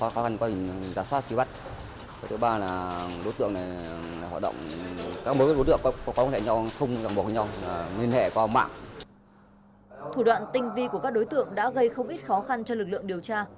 các đối tượng đã gây khó khăn cho lực lượng điều tra